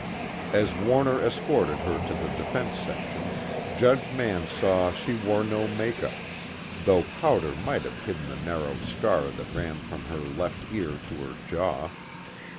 As Warner escorted her to the defense section, Judge Mann saw she wore no make up, though powder might have hidden the narrow scar that ran from her left ear to her jaw.